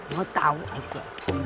mau tahu aja